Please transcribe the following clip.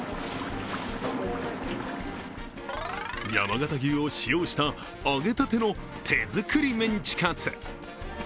山形牛を使用した揚げたての手作りメンチカツ。